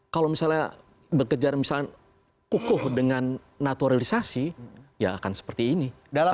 kalau misalnya berkejar misalnya kukuh dengan naturalisasi ya akan seperti ini